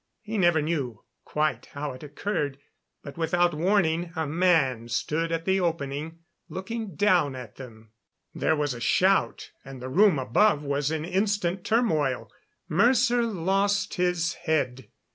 He never knew quite how it occurred, but, without warning, a man stood at the opening, looking down at them. There was a shout, and the room above was in instant turmoil. Mercer lost his head.